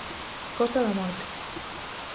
Costa da Morte.